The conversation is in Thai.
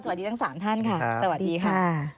สวัสดีทั้ง๓ท่านค่ะสวัสดีค่ะ